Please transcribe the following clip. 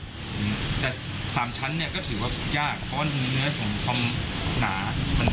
แต่สามชั้นเนี่ยก็ถือว่ายากเพราะว่าเนื้อของความหนา